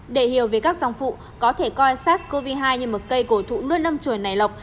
để hiểu về các dòng vụ có thể coi sars cov hai như một cây cổ thụ nuốt âm chuẩn này lọc